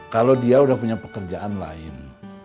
kalau dia sudah punya pekerjaan lain